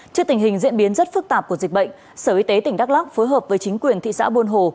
trước tình hình diễn biến rất phức tạp của dịch bệnh sở y tế tỉnh đắk lắc phối hợp với chính quyền thị xã buôn hồ